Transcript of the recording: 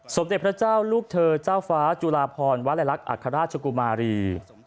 สมเด็จพระเจ้าลูกเธอเจ้าฟ้าจุลาพรวรลักษณ์อัครราชกุมารี